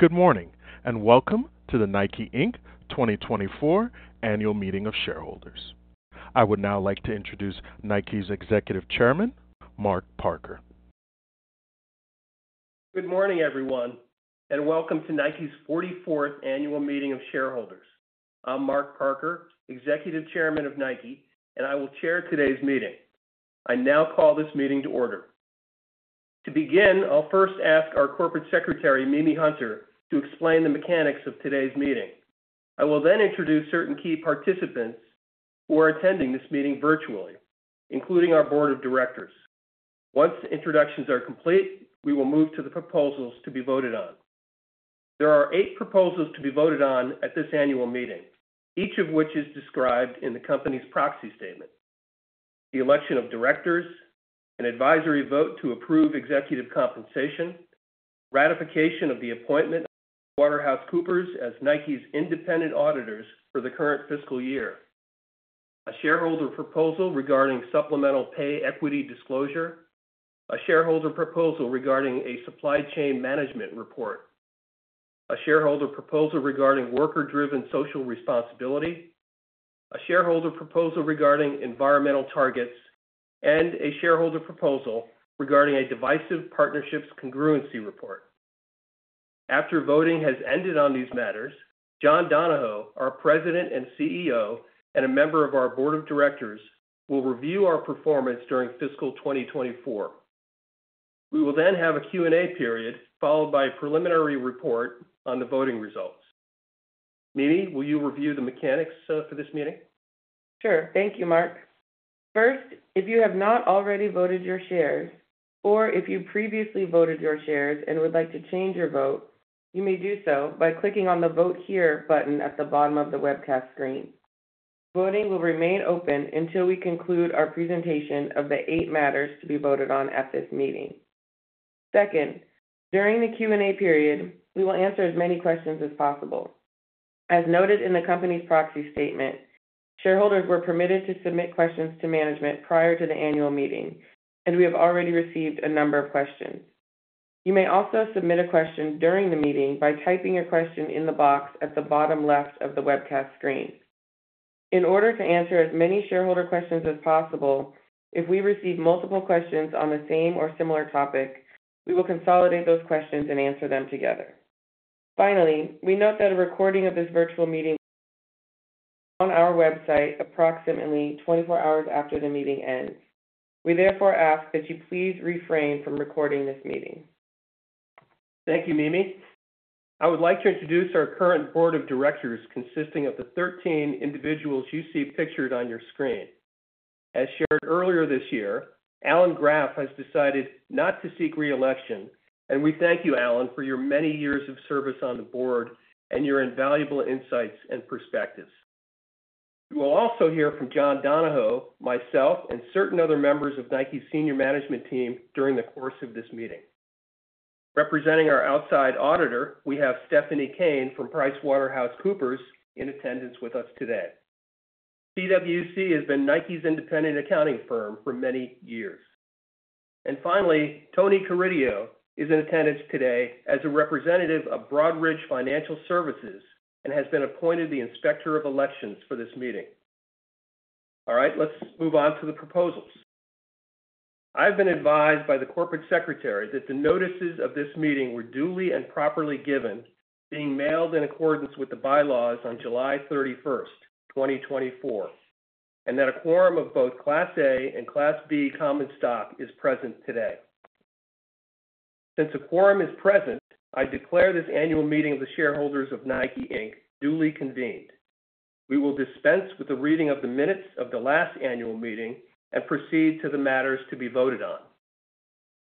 Good morning, and welcome to the Nike, Inc. 2024 Annual Meeting of Shareholders. I would now like to introduce Nike's Executive Chairman, Mark Parker. Good morning, everyone, and welcome to Nike's 44th Annual Meeting of Shareholders. I'm Mark Parker, Executive Chairman of Nike, and I will chair today's meeting. I now call this meeting to order. To begin, I'll first ask our Corporate Secretary, Mimi Hunter, to explain the mechanics of today's meeting. I will then introduce certain key participants who are attending this meeting virtually, including our board of directors. Once the introductions are complete, we will move to the proposals to be voted on. There are eight proposals to be voted on at this annual meeting, each of which is described in the company's proxy statement: the election of directors, an advisory vote to approve executive compensation, ratification of the appointment of PricewaterhouseCoopers as Nike's independent auditors for the current fiscal year, a shareholder proposal regarding supplemental pay equity disclosure, a shareholder proposal regarding a supply chain management report, a shareholder proposal regarding worker-driven social responsibility, a shareholder proposal regarding environmental targets, and a shareholder proposal regarding a Divisive Partnerships Congruency Report. After voting has ended on these matters, John Donahoe, our President and CEO, and a member of our Board of Directors, will review our performance during fiscal 2024. We will then have a Q&A period, followed by a preliminary report on the voting results. Mimi, will you review the mechanics for this meeting? Sure. Thank you, Mark. First, if you have not already voted your shares, or if you previously voted your shares and would like to change your vote, you may do so by clicking on the Vote Here button at the bottom of the webcast screen. Voting will remain open until we conclude our presentation of the eight matters to be voted on at this meeting. Second, during the Q&A period, we will answer as many questions as possible. As noted in the company's proxy statement, shareholders were permitted to submit questions to management prior to the annual meeting, and we have already received a number of questions. You may also submit a question during the meeting by typing your question in the box at the bottom left of the webcast screen. In order to answer as many shareholder questions as possible, if we receive multiple questions on the same or similar topic, we will consolidate those questions and answer them together. Finally, we note that a recording of this virtual meeting on our website, approximately 24 hours after the meeting ends. We therefore ask that you please refrain from recording this meeting. Thank you, Mimi. I would like to introduce our current board of directors, consisting of the 13 individuals you see pictured on your screen. As shared earlier this year, Alan Graf has decided not to seek re-election, and we thank you, Alan, for your many years of service on the board and your invaluable insights and perspectives. You will also hear from John Donahoe, myself, and certain other members of Nike's senior management team during the course of this meeting. Representing our outside auditor, we have Stephanie Kane from PricewaterhouseCoopers in attendance with us today. PWC has been Nike's independent accounting firm for many years. And finally, Tony Carideo is in attendance today as a representative of Broadridge Financial Solutions and has been appointed the Inspector of Elections for this meeting. All right, let's move on to the proposals. I've been advised by the corporate secretary that the notices of this meeting were duly and properly given, being mailed in accordance with the bylaws on July 31st, 2024, and that a quorum of both Class A and Class B common stock is present today. Since a quorum is present, I declare this annual meeting of the shareholders of Nike, Inc., duly convened. We will dispense with the reading of the minutes of the last annual meeting and proceed to the matters to be voted on.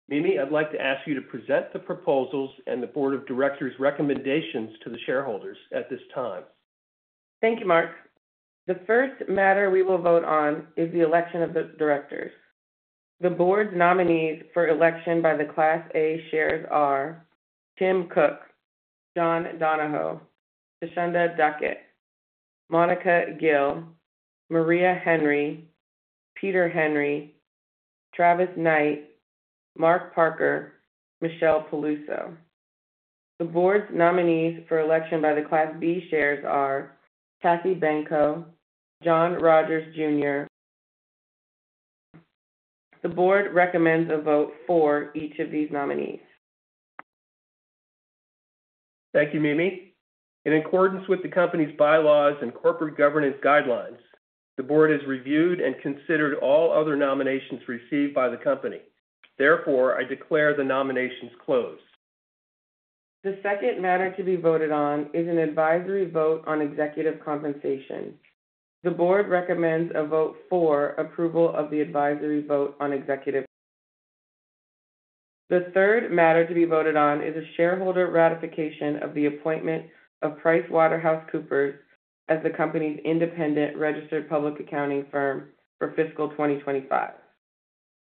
Mimi, I'd like to ask you to present the proposals and the board of directors' recommendations to the shareholders at this time. Thank you, Mark. The first matter we will vote on is the election of the directors. The board's nominees for election by the Class A shares are: Tim Cook, John Donahoe, Thasunda Duckett, Monica Gil, Maria Henry, Peter Henry, Travis Knight, Mark Parker, Michelle Peluso. The board's nominees for election by the Class B shares are Cathy Benko, John Rogers, Jr. The board recommends a vote for each of these nominees. Thank you, Mimi. In accordance with the company's bylaws and corporate governance guidelines, the board has reviewed and considered all other nominations received by the company. Therefore, I declare the nominations closed. The second matter to be voted on is an advisory vote on executive compensation. The board recommends a vote for approval of the advisory vote on executive compensation. The third matter to be voted on is a shareholder ratification of the appointment of PricewaterhouseCoopers as the company's independent registered public accounting firm for fiscal 2025.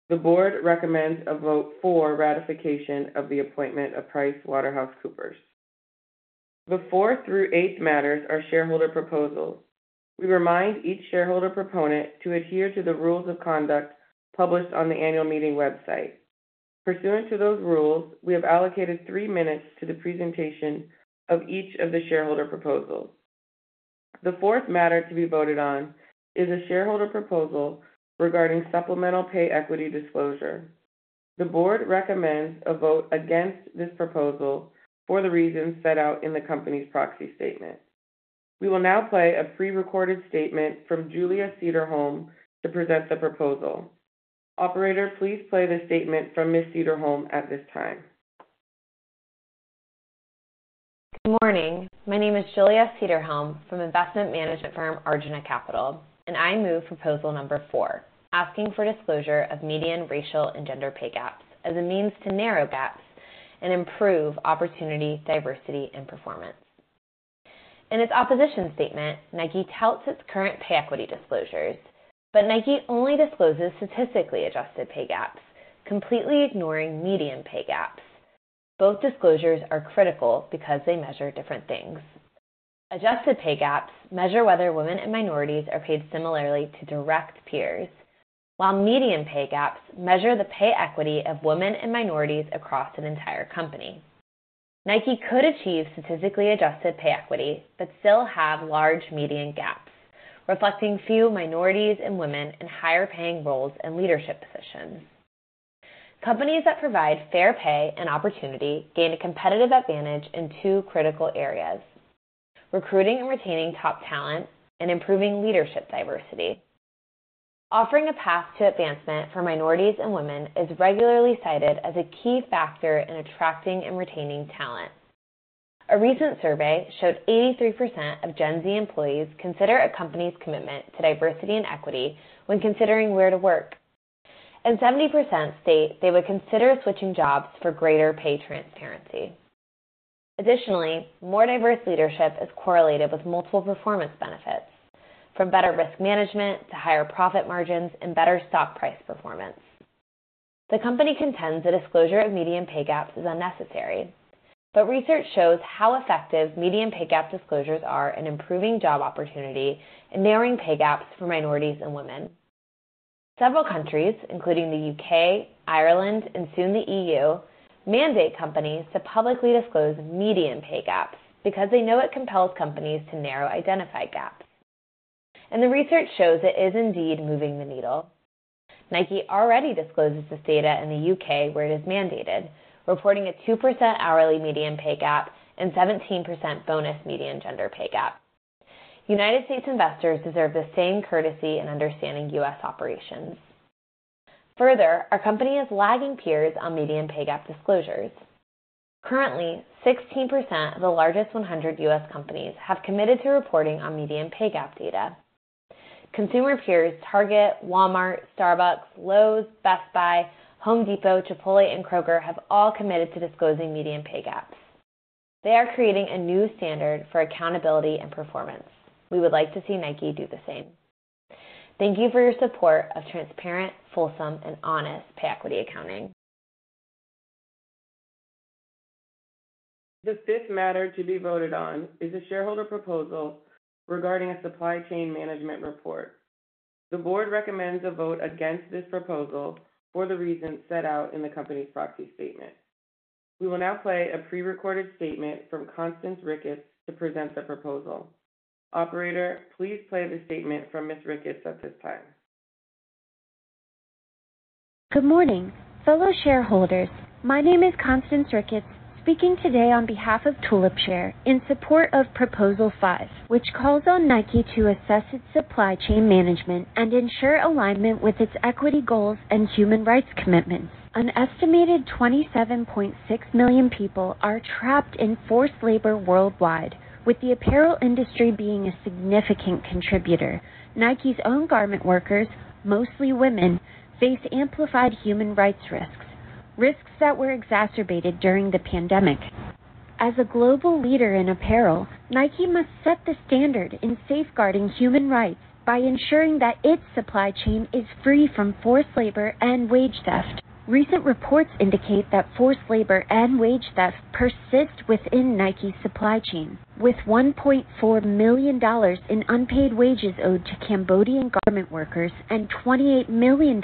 The board recommends a vote for ratification of the appointment of PricewaterhouseCoopers. The fourth through eighth matters are shareholder proposals. We remind each shareholder proponent to adhere to the rules of conduct published on the annual meeting website. Pursuant to those rules, we have allocated three minutes to the presentation of each of the shareholder proposals. The fourth matter to be voted on is a shareholder proposal regarding supplemental pay equity disclosure. The board recommends a vote against this proposal for the reasons set out in the company's proxy statement. We will now play a pre-recorded statement from Julia Cedarholm to present the proposal. Operator, please play the statement from Ms. Cedarholm at this time. Good morning. My name is Julia Cedarholm from investment management firm Arjuna Capital, and I move proposal number four, asking for disclosure of median racial and gender pay gaps as a means to narrow gaps and improve opportunity, diversity, and performance. In its opposition statement, Nike touts its current pay equity disclosures, but Nike only discloses statistically adjusted pay gaps, completely ignoring median pay gaps. Both disclosures are critical because they measure different things. Adjusted pay gaps measure whether women and minorities are paid similarly to direct peers, while median pay gaps measure the pay equity of women and minorities across an entire company. Nike could achieve statistically adjusted pay equity, but still have large median gaps, reflecting few minorities and women in higher paying roles and leadership positions. Companies that provide fair pay and opportunity gain a competitive advantage in two critical areas: recruiting and retaining top talent and improving leadership diversity. Offering a path to advancement for minorities and women is regularly cited as a key factor in attracting and retaining talent. A recent survey showed 83% of Gen Z employees consider a company's commitment to diversity and equity when considering where to work, and 70% state they would consider switching jobs for greater pay transparency. Additionally, more diverse leadership is correlated with multiple performance benefits, from better risk management to higher profit margins and better stock price performance. The company contends the disclosure of median pay gaps is unnecessary, but research shows how effective median pay gap disclosures are in improving job opportunity and narrowing pay gaps for minorities and women. Several countries, including the U.K., Ireland, and soon the E.U., mandate companies to publicly disclose median pay gaps because they know it compels companies to narrow identified gaps. And the research shows it is indeed moving the needle. Nike already discloses this data in the U.K., where it is mandated, reporting a 2% hourly median pay gap and 17% bonus median gender pay gap. United States investors deserve the same courtesy in understanding U.S. operations. Further, our company is lagging peers on median pay gap disclosures. Currently, 16% of the largest one hundred U.S. companies have committed to reporting on median pay gap data. Consumer peers Target, Walmart, Starbucks, Lowe's, Best Buy, Home Depot, Chipotle, and Kroger have all committed to disclosing median pay gaps. They are creating a new standard for accountability and performance. We would like to see Nike do the same. Thank you for your support of transparent, fulsome, and honest pay equity accounting. The fifth matter to be voted on is a shareholder proposal regarding a supply chain management report. The board recommends a vote against this proposal for the reasons set out in the company's proxy statement. We will now play a pre-recorded statement from Constance Ricketts to present the proposal. Operator, please play the statement from Ms. Ricketts at this time. Good morning, fellow shareholders. My name is Constance Ricketts, speaking today on behalf of Tulipshare in support of Proposal Five, which calls on Nike to assess its supply chain management and ensure alignment with its equity goals and human rights commitments. An estimated 27.6 million people are trapped in forced labor worldwide, with the apparel industry being a significant contributor. Nike's own garment workers, mostly women, face amplified human rights risks, risks that were exacerbated during the pandemic. As a global leader in apparel, Nike must set the standard in safeguarding human rights by ensuring that its supply chain is free from forced labor and wage theft. Recent reports indicate that forced labor and wage theft persist within Nike's supply chain, with $1.4 million in unpaid wages owed to Cambodian garment workers and $28 million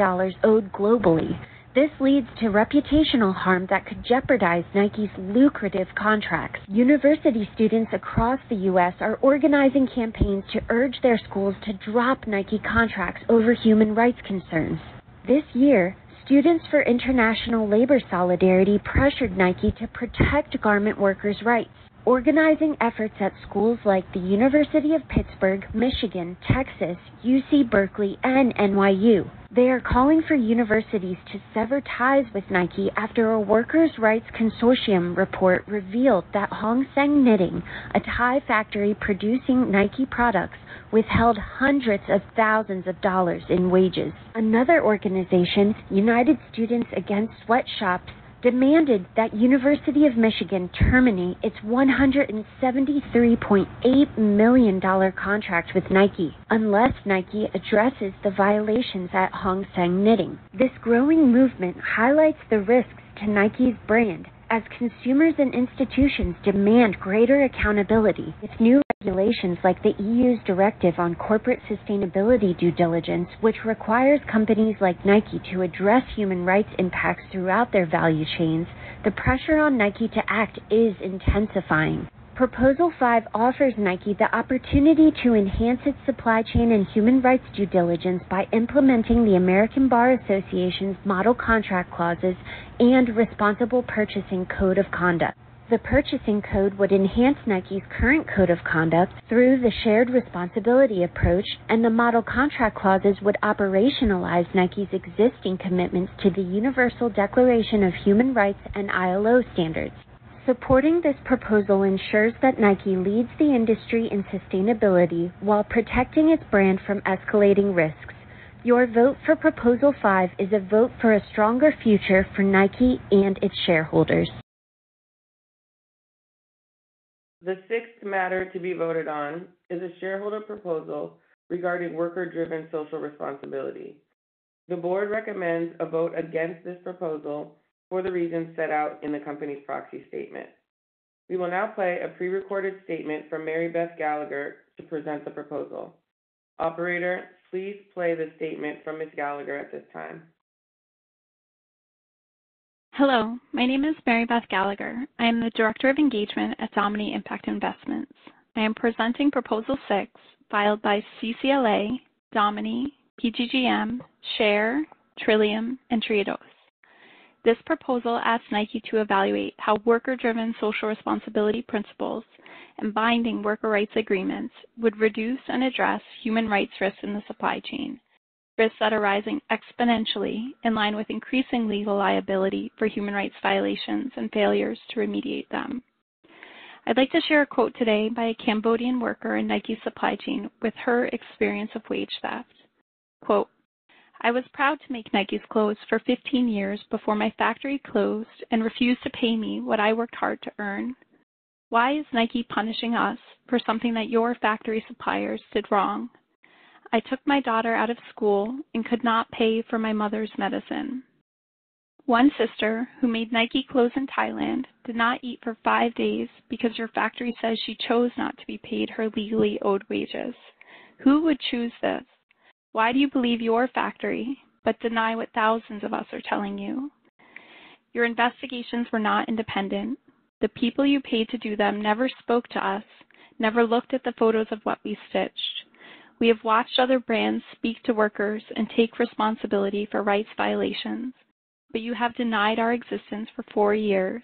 owed globally. This leads to reputational harm that could jeopardize Nike's lucrative contracts. University students across the U.S. are organizing campaigns to urge their schools to drop Nike contracts over human rights concerns. This year, Students for International Labor Solidarity pressured Nike to protect garment workers' rights, organizing efforts at schools like the University of Pittsburgh, Michigan, Texas, UC Berkeley, and NYU. They are calling for universities to sever ties with Nike after a Worker Rights Consortium report revealed that Hong Seng Knitting, a Thai factory producing Nike products, withheld hundreds of thousands of dollars in wages. Another organization, United Students Against Sweatshops, demanded that University of Michigan terminate its $173.8 million contract with Nike, unless Nike addresses the violations at Hong Seng Knitting. This growing movement highlights the risks to Nike's brand. As consumers and institutions demand greater accountability with new regulations like the EU's Directive on Corporate Sustainability Due Diligence, which requires companies like Nike to address human rights impacts throughout their value chains, the pressure on Nike to act is intensifying. Proposal five offers Nike the opportunity to enhance its supply chain and human rights due diligence by implementing the American Bar Association's Model Contract Clauses and Responsible Purchasing Code of Conduct. The purchasing code would enhance Nike's current code of conduct through the shared responsibility approach, and the model contract clauses would operationalize Nike's existing commitments to the Universal Declaration of Human Rights and ILO standards. Supporting this proposal ensures that Nike leads the industry in sustainability while protecting its brand from escalating risks. Your vote for proposal five is a vote for a stronger future for Nike and its shareholders. The sixth matter to be voted on is a shareholder proposal regarding worker-driven social responsibility. The board recommends a vote against this proposal for the reasons set out in the company's proxy statement. We will now play a pre-recorded statement from Mary Beth Gallagher to present the proposal. Operator, please play the statement from Ms. Gallagher at this time. Hello, my name is Mary Beth Gallagher. I am the Director of Engagement at Domini Impact Investments. I am presenting Proposal Six, filed by CCLA, Domini, PGGM, SHARE, Trillium, and Triodos. This proposal asks Nike to evaluate how worker-driven social responsibility principles and binding worker rights agreements would reduce and address human rights risks in the supply chain. Risks that are rising exponentially in line with increasing legal liability for human rights violations and failures to remediate them. I'd like to share a quote today by a Cambodian worker in Nike's supply chain with her experience of wage theft. Quote, "I was proud to make Nike's clothes for fifteen years before my factory closed and refused to pay me what I worked hard to earn. Why is Nike punishing us for something that your factory suppliers did wrong? I took my daughter out of school and could not pay for my mother's medicine. One sister, who made Nike clothes in Thailand, did not eat for five days because your factory says she chose not to be paid her legally owed wages. Who would choose this? Why do you believe your factory, but deny what thousands of us are telling you? Your investigations were not independent. The people you paid to do them never spoke to us, never looked at the photos of what we stitched. We have watched other brands speak to workers and take responsibility for rights violations, but you have denied our existence for four years.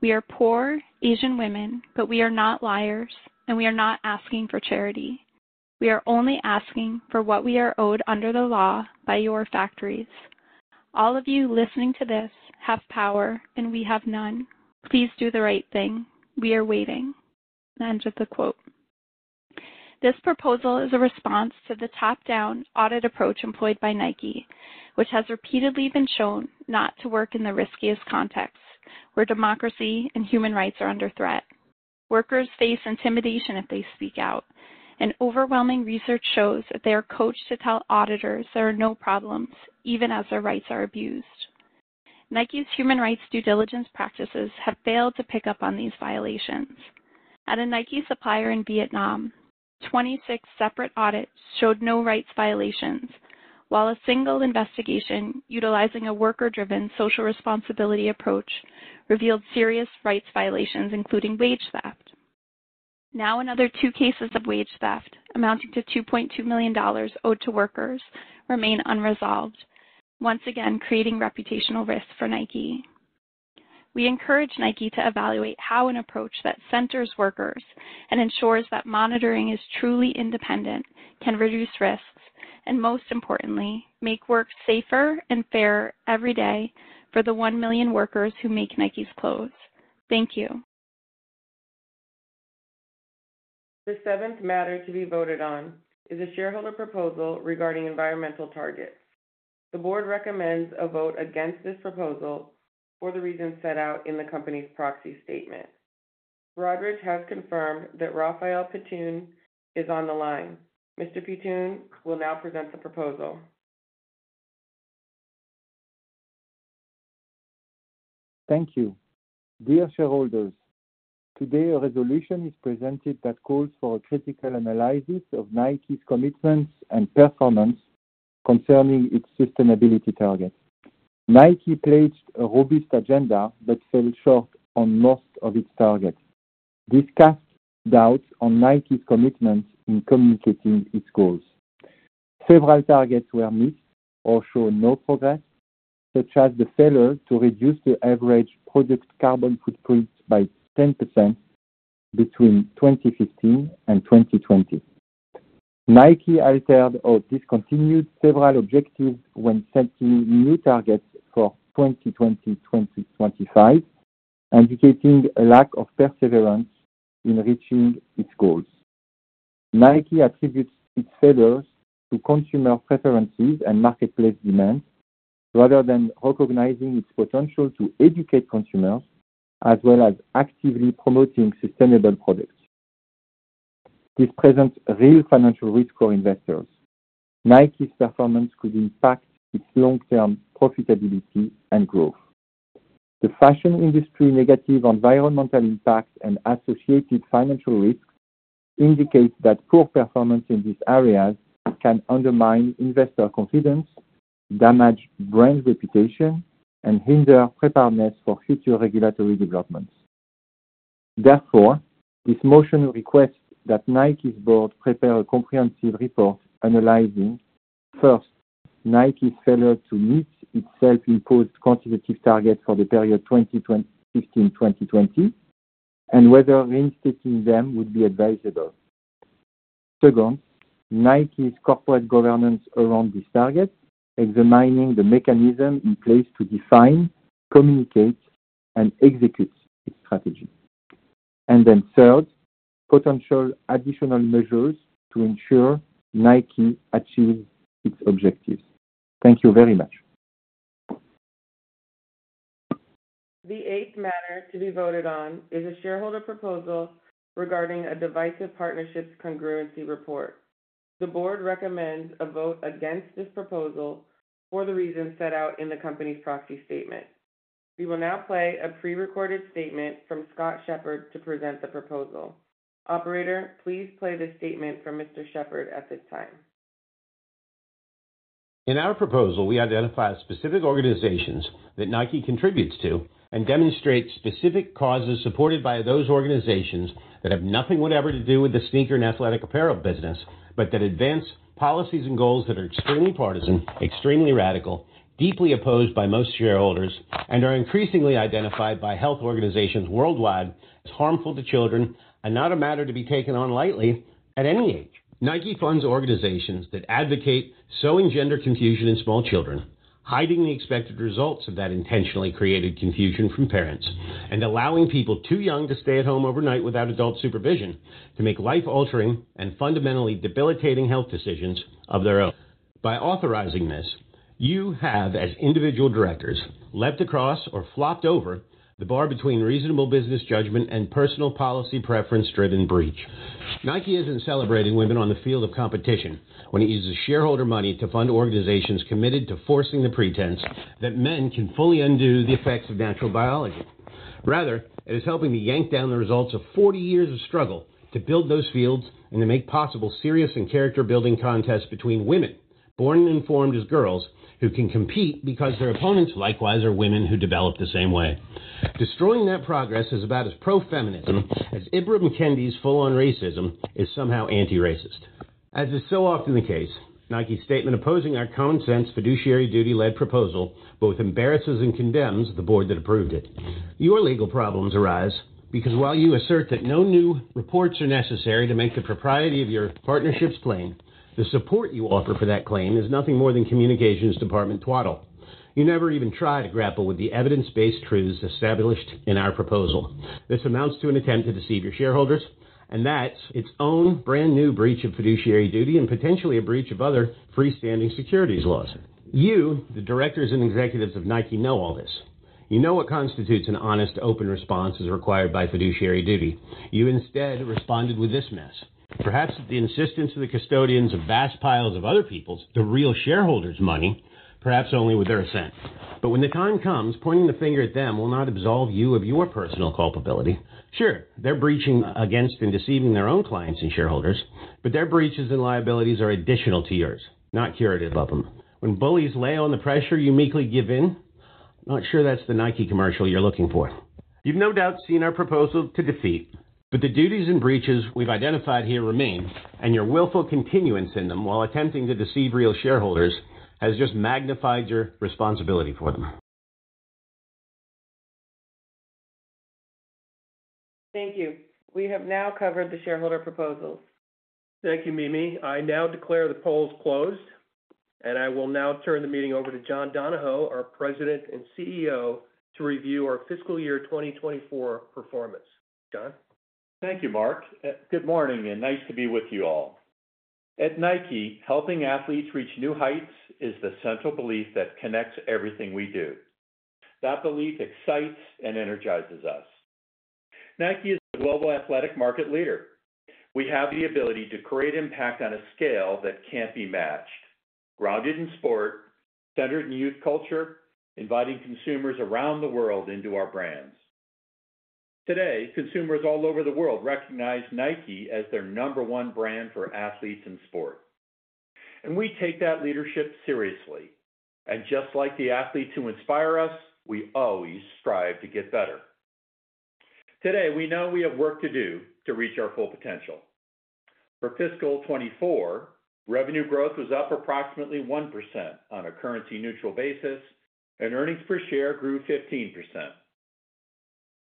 We are poor Asian women, but we are not liars, and we are not asking for charity. We are only asking for what we are owed under the law by your factories. All of you listening to this have power, and we have none. Please do the right thing. We are waiting." I end with the quote. This proposal is a response to the top-down audit approach employed by Nike, which has repeatedly been shown not to work in the riskiest contexts, where democracy and human rights are under threat. Workers face intimidation if they speak out, and overwhelming research shows that they are coached to tell auditors there are no problems, even as their rights are abused. Nike's human rights due diligence practices have failed to pick up on these violations. At a Nike supplier in Vietnam, 26 separate audits showed no rights violations, while a single investigation utilizing a worker-driven social responsibility approach revealed serious rights violations, including wage theft. Now, another two cases of wage theft, amounting to $2.2 million owed to workers, remain unresolved, once again, creating reputational risk for Nike. We encourage Nike to evaluate how an approach that centers workers and ensures that monitoring is truly independent can reduce risks, and most importantly, make work safer and fairer every day for the one million workers who make Nike's clothes. Thank you. The seventh matter to be voted on is a shareholder proposal regarding environmental targets. The board recommends a vote against this proposal for the reasons set out in the company's proxy statement. Broadridge has confirmed that Raphael Pitoun is on the line. Mr. Pitoun will now present the proposal. Thank you. Dear shareholders, today, a resolution is presented that calls for a critical analysis of Nike's commitments and performance concerning its sustainability targets. Nike pledged a robust agenda but fell short on most of its targets. This casts doubts on Nike's commitment in communicating its goals. Several targets were missed or show no progress, such as the failure to reduce the average product carbon footprint by 10% between 2015 and 2020. Nike altered or discontinued several objectives when setting new targets for 2020 and 2025, indicating a lack of perseverance in reaching its goals. Nike attributes its failures to consumer preferences and marketplace demands, rather than recognizing its potential to educate consumers, as well as actively promoting sustainable products. This presents a real financial risk for investors. Nike's performance could impact its long-term profitability and growth. The fashion industry, negative environmental impact, and associated financial risks indicates that poor performance in these areas can undermine investor confidence, damage brand reputation, and hinder preparedness for future regulatory developments. Therefore, this motion requests that Nike's board prepare a comprehensive report analyzing, first, Nike's failure to meet its self-imposed quantitative targets for the period 2015-2020, and whether reinstating them would be advisable. Second, Nike's corporate governance around this target, examining the mechanism in place to define, communicate, and execute its strategy. And then third, potential additional measures to ensure Nike achieves its objectives. Thank you very much. The eighth matter to be voted on is a shareholder proposal regarding a Divisive Partnerships Congruency Report. The board recommends a vote against this proposal for the reasons set out in the company's proxy statement. We will now play a prerecorded statement from Scott Shepard to present the proposal. Operator, please play the statement from Mr. Shepard at this time. In our proposal, we identify specific organizations that Nike contributes to and demonstrate specific causes supported by those organizations that have nothing whatever to do with the sneaker and athletic apparel business, but that advance policies and goals that are extremely partisan, extremely radical, deeply opposed by most shareholders, and are increasingly identified by health organizations worldwide as harmful to children and not a matter to be taken on lightly at any age. Nike funds organizations that advocate sowing gender confusion in small children, hiding the expected results of that intentionally created confusion from parents, and allowing people too young to stay at home overnight without adult supervision, to make life-altering and fundamentally debilitating health decisions of their own. By authorizing this, you have, as individual directors, leapt across or flopped over the bar between reasonable business judgment and personal policy preference-driven breach. Nike isn't celebrating women on the field of competition when it uses shareholder money to fund organizations committed to forcing the pretense that men can fully undo the effects of natural biology. Rather, it is helping to yank down the results of 40 years of struggle to build those fields and to make possible serious and character-building contests between women, born and informed as girls, who can compete because their opponents likewise are women who develop the same way. Destroying that progress is about as pro-feminism as Ibram X. Kendi's full-on racism is somehow anti-racist. As is so often the case, Nike's statement opposing our common sense, fiduciary duty-led proposal both embarrasses and condemns the board that approved it. Your legal problems arise because while you assert that no new reports are necessary to make the propriety of your partnerships claim, the support you offer for that claim is nothing more than communications department twaddle. You never even try to grapple with the evidence-based truths established in our proposal. This amounts to an attempt to deceive your shareholders, and that's its own brand-new breach of fiduciary duty and potentially a breach of other freestanding securities laws. You, the directors and executives of Nike, know all this. You know what constitutes an honest, open response as required by fiduciary duty. You instead responded with this mess. Perhaps at the insistence of the custodians of vast piles of other people's, the real shareholders' money, perhaps only with their assent. But when the time comes, pointing the finger at them will not absolve you of your personal culpability. Sure, they're breaching against and deceiving their own clients and shareholders, but their breaches and liabilities are additional to yours, not curative of them. When bullies lay on the pressure, you meekly give in? Not sure that's the Nike commercial you're looking for. You've no doubt seen our proposal to defeat, but the duties and breaches we've identified here remain, and your willful continuance in them while attempting to deceive real shareholders, has just magnified your responsibility for them. Thank you. We have now covered the shareholder proposals. Thank you, Mimi. I now declare the polls closed, and I will now turn the meeting over to John Donahoe, our President and CEO, to review our fiscal year 2024 performance. John? Thank you, Mark. Good morning, and nice to be with you all. At Nike, helping athletes reach new heights is the central belief that connects everything we do. That belief excites and energizes us. Nike is a global athletic market leader. We have the ability to create impact on a scale that can't be matched, grounded in sport, centered in youth culture, inviting consumers around the world into our brands. Today, consumers all over the world recognize Nike as their number one brand for athletes in sport, and we take that leadership seriously. And just like the athletes who inspire us, we always strive to get better. Today, we know we have work to do to reach our full potential. For fiscal 2024, revenue growth was up approximately 1% on a currency-neutral basis, and earnings per share grew 15%.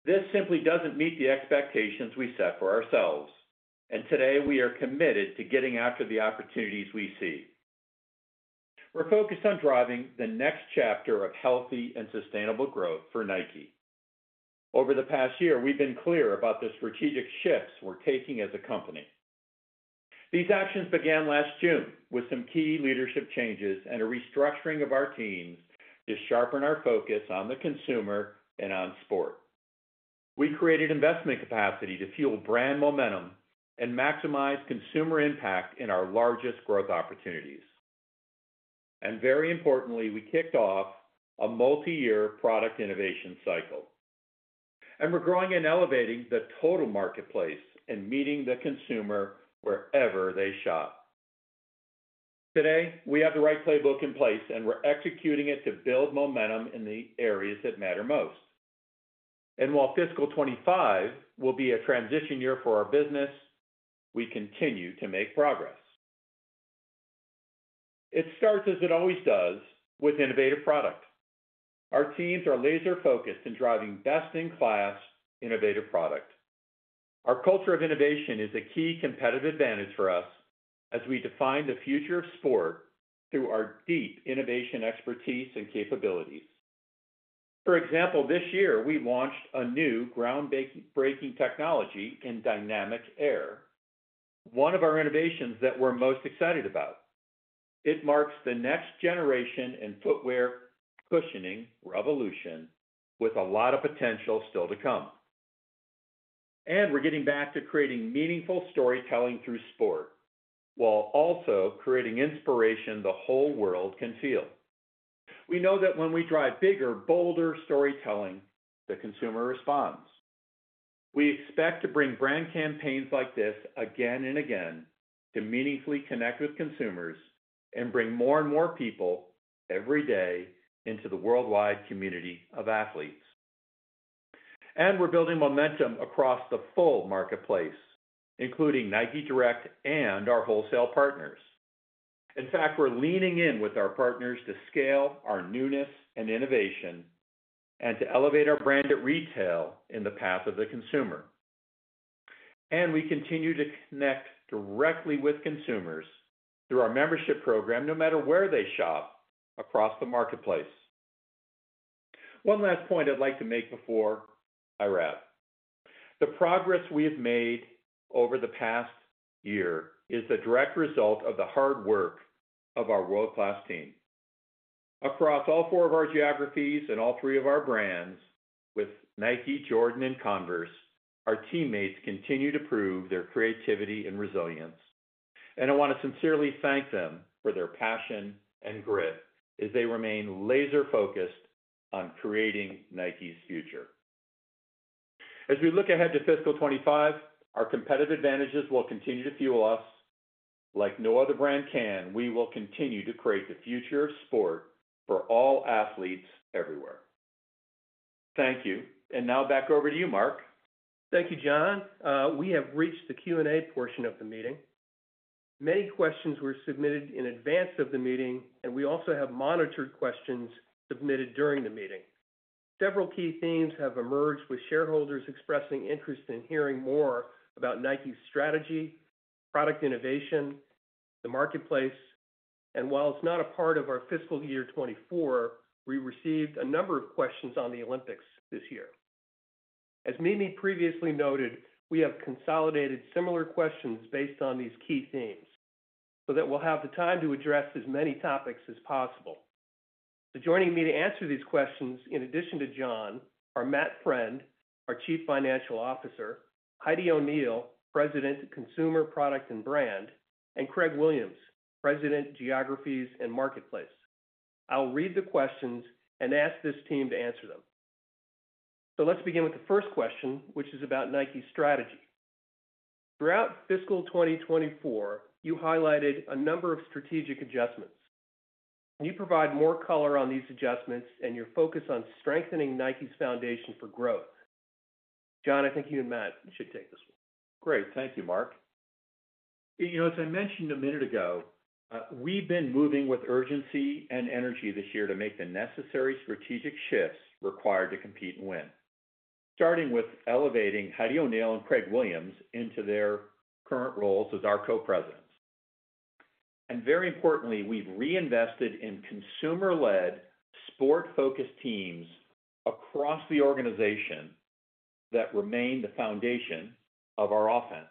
This simply doesn't meet the expectations we set for ourselves, and today we are committed to getting after the opportunities we see. We're focused on driving the next chapter of healthy and sustainable growth for Nike. Over the past year, we've been clear about the strategic shifts we're taking as a company. These actions began last June with some key leadership changes and a restructuring of our teams to sharpen our focus on the consumer and on sport. We created investment capacity to fuel brand momentum and maximize consumer impact in our largest growth opportunities. And very importantly, we kicked off a multi-year product innovation cycle. And we're growing and elevating the total marketplace and meeting the consumer wherever they shop. Today, we have the right playbook in place, and we're executing it to build momentum in the areas that matter most. And while fiscal 2025 will be a transition year for our business, we continue to make progress. It starts, as it always does, with innovative product. Our teams are laser-focused in driving best-in-class, innovative product. Our culture of innovation is a key competitive advantage for us as we define the future of sport through our deep innovation, expertise, and capabilities. For example, this year we launched a new ground-breaking technology in Dynamic Air, one of our innovations that we're most excited about. It marks the next generation in footwear cushioning revolution, with a lot of potential still to come. And we're getting back to creating meaningful storytelling through sport, while also creating inspiration the whole world can feel. We know that when we drive bigger, bolder storytelling, the consumer responds. We expect to bring brand campaigns like this again and again, to meaningfully connect with consumers and bring more and more people every day into the worldwide community of athletes. And we're building momentum across the full marketplace, including Nike Direct and our wholesale partners. In fact, we're leaning in with our partners to scale our newness and innovation and to elevate our brand at retail in the path of the consumer. And we continue to connect directly with consumers through our membership program, no matter where they shop across the marketplace. One last point I'd like to make before I wrap. The progress we have made over the past year is the direct result of the hard work of our world-class team. Across all four of our geographies and all three of our brands, with Nike, Jordan, and Converse, our teammates continue to prove their creativity and resilience, and I want to sincerely thank them for their passion and grit as they remain laser-focused on creating Nike's future. As we look ahead to fiscal 2025, our competitive advantages will continue to fuel us. Like no other brand can, we will continue to create the future of sport for all athletes everywhere. Thank you. And now back over to you, Mark. Thank you, John. We have reached the Q&A portion of the meeting. Many questions were submitted in advance of the meeting, and we also have monitored questions submitted during the meeting. Several key themes have emerged, with shareholders expressing interest in hearing more about Nike's strategy, product innovation, the marketplace, and while it's not a part of our fiscal year 2024, we received a number of questions on the Olympics this year. As Mimi previously noted, we have consolidated similar questions based on these key themes so that we'll have the time to address as many topics as possible. So joining me to answer these questions, in addition to John, are Matt Friend, our Chief Financial Officer, Heidi O'Neill, President, Consumer, Product, and Brand, and Craig Williams, President, Geographies and Marketplace. I'll read the questions and ask this team to answer them. So let's begin with the first question, which is about Nike's strategy. Throughout fiscal 2024, you highlighted a number of strategic adjustments. Can you provide more color on these adjustments and your focus on strengthening Nike's foundation for growth? John, I think you and Matt should take this one. Great. Thank you, Mark. You know, as I mentioned a minute ago, we've been moving with urgency and energy this year to make the necessary strategic shifts required to compete and win, starting with elevating Heidi O’Neill and Craig Williams into their current roles as our co-presidents. And very importantly, we've reinvested in consumer-led, sport-focused teams across the organization that remain the foundation of our offense.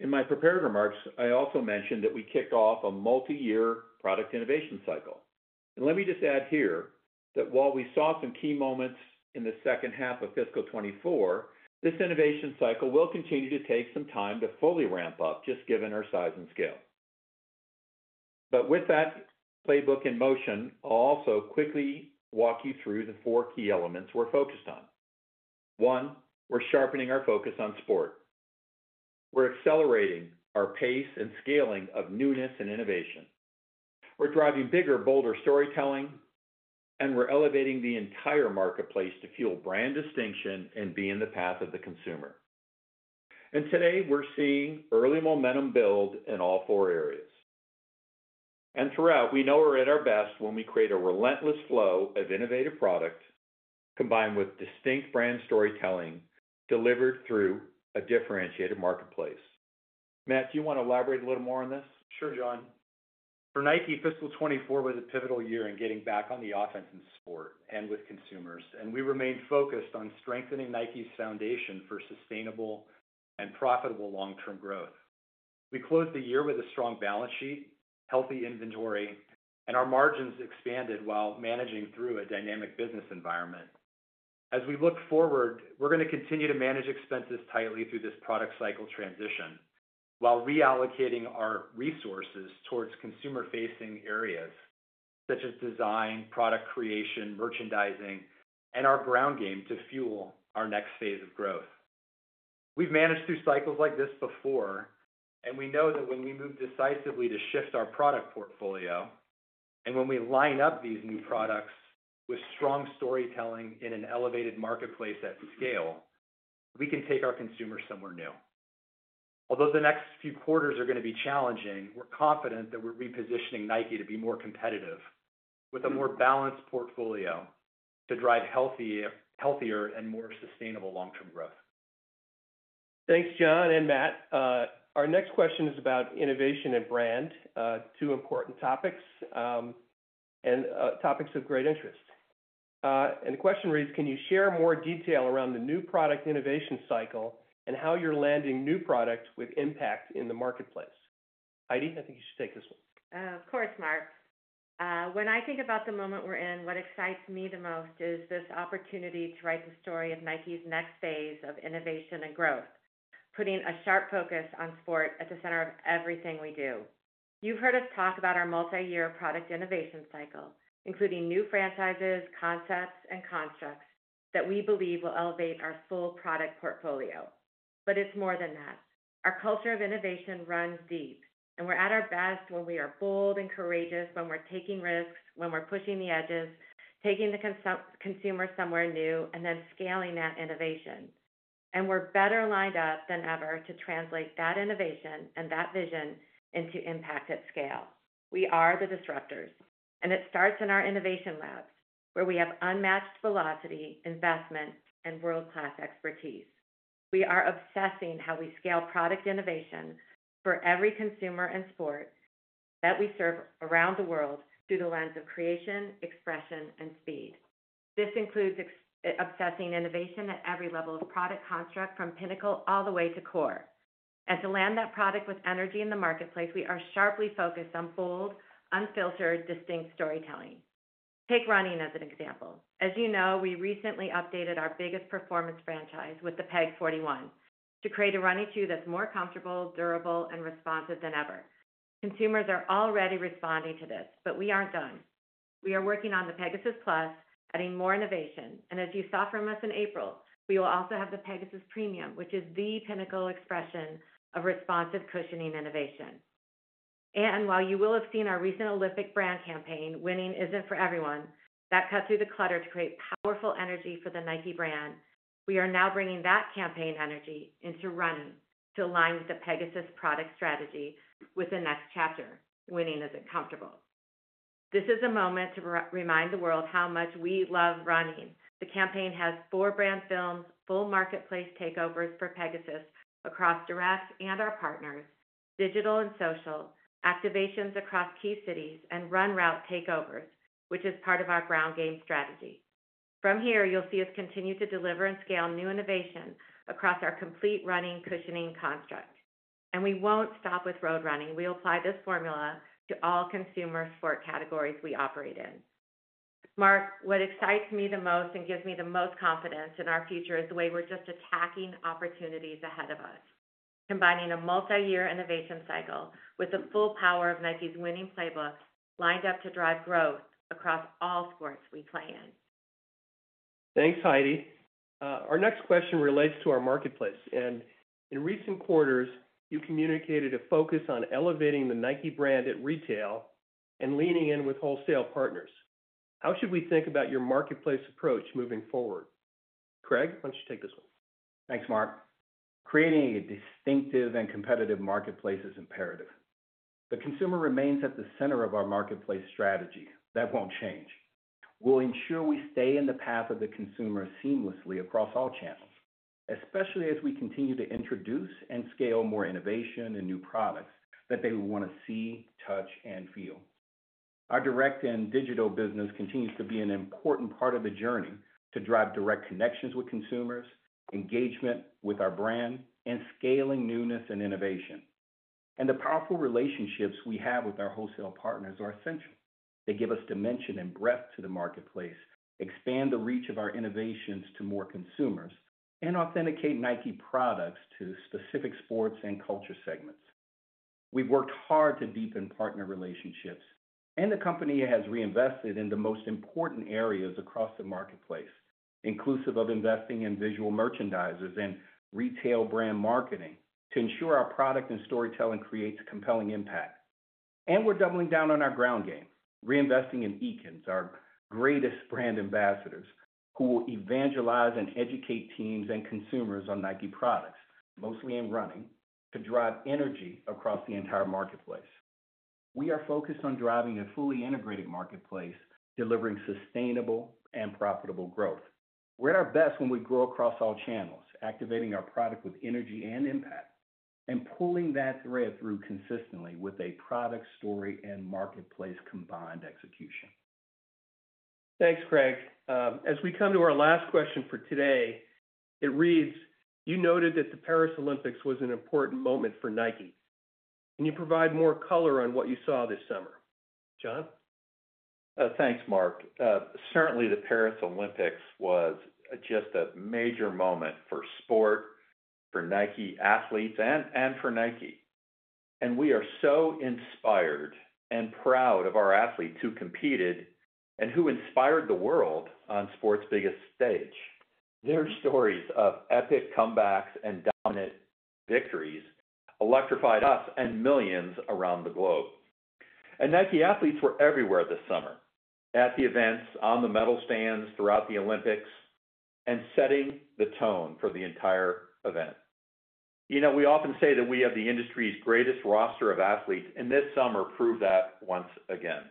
In my prepared remarks, I also mentioned that we kicked off a multi-year product innovation cycle. And let me just add here that while we saw some key moments in the second half of fiscal 2024, this innovation cycle will continue to take some time to fully ramp up, just given our size and scale. But with that playbook in motion, I'll also quickly walk you through the four key elements we're focused on. One, we're sharpening our focus on sport. We're accelerating our pace and scaling of newness and innovation. We're driving bigger, bolder storytelling, and we're elevating the entire marketplace to fuel brand distinction and be in the path of the consumer. And today, we're seeing early momentum build in all four areas. And throughout, we know we're at our best when we create a relentless flow of innovative products, combined with distinct brand storytelling delivered through a differentiated marketplace. Matt, do you want to elaborate a little more on this? Sure, John. For Nike, fiscal 2024 was a pivotal year in getting back on the offense in sport and with consumers, and we remain focused on strengthening Nike's foundation for sustainable and profitable long-term growth. We closed the year with a strong balance sheet, healthy inventory, and our margins expanded while managing through a dynamic business environment. As we look forward, we're going to continue to manage expenses tightly through this product cycle transition while reallocating our resources towards consumer-facing areas such as design, product creation, merchandising, and our ground game to fuel our next phase of growth. We've managed through cycles like this before, and we know that when we move decisively to shift our product portfolio and when we line up these new products with strong storytelling in an elevated marketplace at scale, we can take our consumers somewhere new. Although the next few quarters are going to be challenging, we're confident that we're repositioning Nike to be more competitive with a more balanced portfolio to drive healthy, healthier and more sustainable long-term growth. Thanks, John and Matt. Our next question is about innovation and brand, two important topics, and topics of great interest. The question reads: Can you share more detail around the new product innovation cycle and how you're landing new products with impact in the marketplace? Heidi, I think you should take this one. Of course, Mark. When I think about the moment we're in, what excites me the most is this opportunity to write the story of Nike's next phase of innovation and growth, putting a sharp focus on sport at the center of everything we do. You've heard us talk about our multi-year product innovation cycle, including new franchises, concepts, and constructs that we believe will elevate our full product portfolio. But it's more than that. Our culture of innovation runs deep, and we're at our best when we are bold and courageous, when we're taking risks, when we're pushing the edges, taking the consumer somewhere new, and then scaling that innovation. And we're better lined up than ever to translate that innovation and that vision into impact at scale. We are the disruptors, and it starts in our innovation labs, where we have unmatched velocity, investment, and world-class expertise. We are obsessing how we scale product innovation for every consumer and sport that we serve around the world through the lens of creation, expression, and speed. This includes obsessing innovation at every level of product construct from pinnacle all the way to core. And to land that product with energy in the marketplace, we are sharply focused on bold, unfiltered, distinct storytelling. Take running as an example. As you know, we recently updated our biggest performance franchise with the Peg 41 to create a running shoe that's more comfortable, durable, and responsive than ever. Consumers are already responding to this, but we aren't done. We are working on the Pegasus Plus, adding more innovation. And as you saw from us in April, we will also have the Pegasus Premium, which is the pinnacle expression of responsive cushioning innovation. And while you will have seen our recent Olympic brand campaign, "Winning Isn't for Everyone," that cut through the clutter to create powerful energy for the Nike brand, we are now bringing that campaign energy into running to align with the Pegasus product strategy with the next chapter, "Winning Isn't Comfortable." This is a moment to re-remind the world how much we love running. The campaign has four brand films, full marketplace takeovers for Pegasus across direct and our partners, digital and social, activations across key cities, and run route takeovers, which is part of our ground game strategy. From here, you'll see us continue to deliver and scale new innovation across our complete running cushioning construct. And we won't stop with road running. We'll apply this formula to all consumer sport categories we operate in. Mark, what excites me the most and gives me the most confidence in our future is the way we're just attacking opportunities ahead of us, combining a multi-year innovation cycle with the full power of Nike's winning playbook, lined up to drive growth across all sports we play in. Thanks, Heidi. Our next question relates to our marketplace, and in recent quarters, you communicated a focus on elevating the Nike brand at retail and leaning in with wholesale partners. How should we think about your marketplace approach moving forward? Craig, why don't you take this one? Thanks, Mark. Creating a distinctive and competitive marketplace is imperative. The consumer remains at the center of our marketplace strategy. That won't change. We'll ensure we stay in the path of the consumer seamlessly across all channels, especially as we continue to introduce and scale more innovation and new products that they want to see, touch, and feel. Our direct and digital business continues to be an important part of the journey to drive direct connections with consumers, engagement with our brand, and scaling newness and innovation, and the powerful relationships we have with our wholesale partners are essential. They give us dimension and breadth to the marketplace, expand the reach of our innovations to more consumers, and authenticate Nike products to specific sports and culture segments. We've worked hard to deepen partner relationships, and the company has reinvested in the most important areas across the marketplace, inclusive of investing in visual merchandisers and retail brand marketing, to ensure our product and storytelling creates compelling impact. And we're doubling down on our ground game, reinvesting in Ekins, our greatest brand ambassadors, who evangelize and educate teams and consumers on Nike products, mostly in running, to drive energy across the entire marketplace. We are focused on driving a fully integrated marketplace, delivering sustainable and profitable growth. We're at our best when we grow across all channels, activating our product with energy and impact, and pulling that thread through consistently with a product, story, and marketplace combined execution. Thanks, Craig. As we come to our last question for today, it reads: You noted that the Paris Olympics was an important moment for Nike. Can you provide more color on what you saw this summer? John? Thanks, Mark. Certainly, the Paris Olympics was just a major moment for sport, for Nike athletes, and for Nike. And we are so inspired and proud of our athletes who competed and who inspired the world on sport's biggest stage. Their stories of epic comebacks and dominant victories electrified us and millions around the globe. And Nike athletes were everywhere this summer, at the events, on the medal stands throughout the Olympics, and setting the tone for the entire event. You know, we often say that we have the industry's greatest roster of athletes, and this summer proved that once again.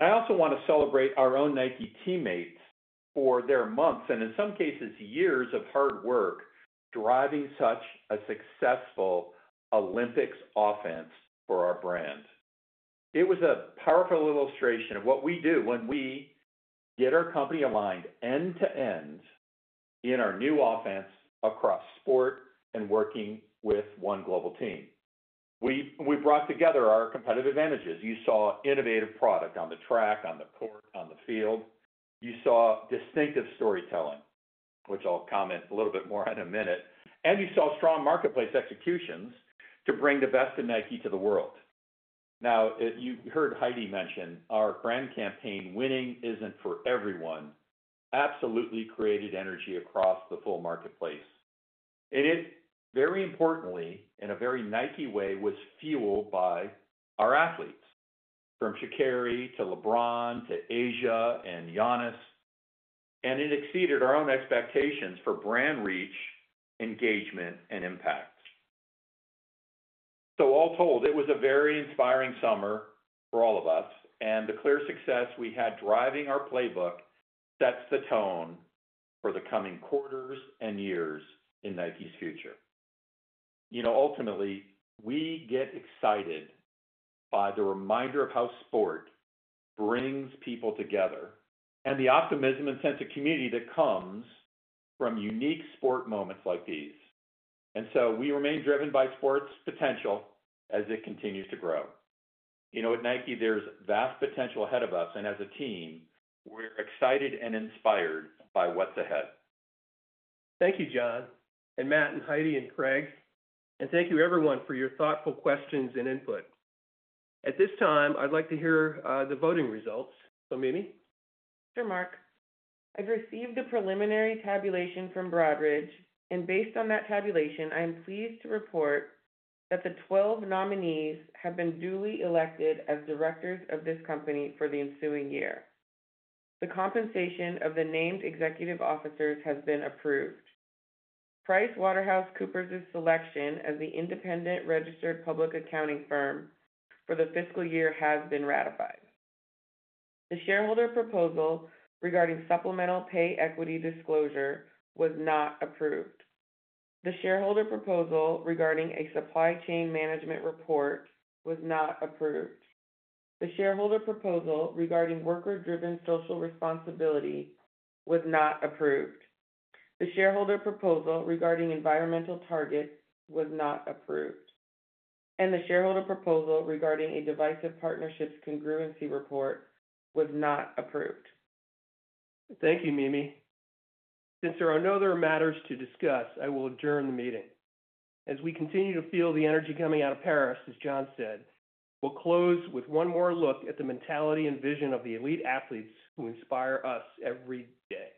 I also want to celebrate our own Nike teammates for their months, and in some cases, years of hard work, driving such a successful Olympics offense for our brand. It was a powerful illustration of what we do when we get our company aligned end to end in our new offense across sport and working with one global team. We brought together our competitive advantages. You saw innovative product on the track, on the court, on the field. You saw distinctive storytelling, which I'll comment a little bit more in a minute, and you saw strong marketplace executions to bring the best of Nike to the world. Now, as you heard Heidi mention, our brand campaign, "Winning Isn't for Everyone," absolutely created energy across the full marketplace. It is very importantly, in a very Nike way, was fueled by our athletes, from Sha'Carri to LeBron, to A'ja and Giannis, and it exceeded our own expectations for brand reach, engagement, and impact. So all told, it was a very inspiring summer for all of us, and the clear success we had driving our playbook sets the tone for the coming quarters and years in Nike's future. You know, ultimately, we get excited by the reminder of how sport brings people together and the optimism and sense of community that comes from unique sport moments like these. And so we remain driven by sport's potential as it continues to grow. You know, at Nike, there's vast potential ahead of us, and as a team, we're excited and inspired by what's ahead. Thank you, John, and Matt, and Heidi, and Craig. And thank you, everyone, for your thoughtful questions and input. At this time, I'd like to hear the voting results. So, Mimi? Sure, Mark. I've received a preliminary tabulation from Broadridge, and based on that tabulation, I am pleased to report that the twelve nominees have been duly elected as directors of this company for the ensuing year. The compensation of the named executive officers has been approved. PricewaterhouseCoopers' selection as the independent registered public accounting firm for the fiscal year has been ratified. The shareholder proposal regarding supplemental pay equity disclosure was not approved. The shareholder proposal regarding a supply chain management report was not approved. The shareholder proposal regarding worker-driven social responsibility was not approved. The shareholder proposal regarding environmental targets was not approved, and the shareholder proposal regarding a Divisive Partnerships Congruency Report was not approved. Thank you, Mimi. Since there are no other matters to discuss, I will adjourn the meeting. As we continue to feel the energy coming out of Paris, as John said, we'll close with one more look at the mentality and vision of the elite athletes who inspire us every day.